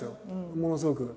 ものすごく。